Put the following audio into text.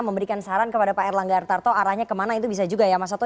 memberikan saran kepada pak erlangga artarto arahnya kemana itu bisa juga ya mas oto